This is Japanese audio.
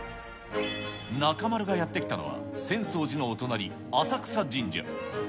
中丸がやって来たのは、浅草寺のお隣、浅草神社。